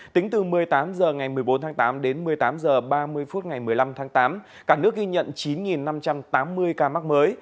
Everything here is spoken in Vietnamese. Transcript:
tính từ một mươi tám h ngày một mươi bốn tháng tám đến một mươi tám h ba mươi phút ngày một mươi năm tháng tám cả nước ghi nhận chín năm trăm tám mươi ca mắc mới